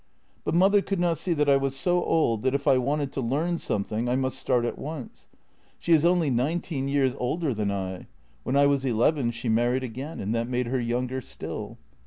But mother could not see that I was so old that if I wanted to learn something I must start at once. She is only 46 JENNY nineteen years older than I; when I was eleven she married again, and that made her younger still.